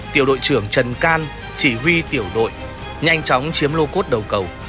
tiểu đội trưởng trần can chỉ huy tiểu đội nhanh chóng chiếm lô cốt đầu cầu